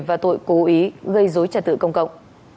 và tội cố ý gây dối trật tự công cộng